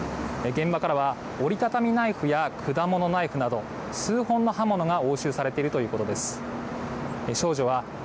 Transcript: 現場からは折り畳みナイフや果物ナイフなど数本の刃物が押収されているということです。